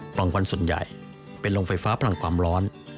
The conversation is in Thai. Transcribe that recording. ลองควันส่วนใหญ่เป็นโรงไฟฟ้าพลังความร้อน